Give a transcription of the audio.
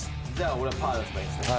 俺はパー出せばいいんですね？